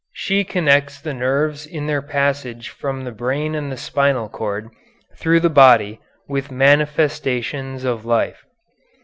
She connects the nerves in their passage from the brain and the spinal cord through the body with manifestations of life.